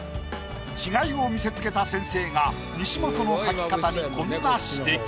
違いを見せつけた先生が西本の描き方にこんな指摘。